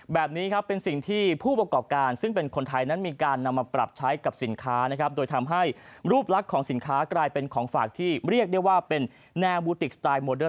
แบบนี้ครับเป็นสิ่งที่ผู้ประกอบการซึ่งเป็นคนไทยนั้นมีการนำมาปรับใช้กับสินค้านะครับโดยทำให้รูปลักษณ์ของสินค้ากลายเป็นของฝากที่เรียกได้ว่าเป็นแนวบูติกสไตล์โมเดอร์